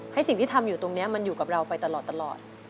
สิ่งที่ทำอยู่ตรงนี้มันอยู่กับเราไปตลอด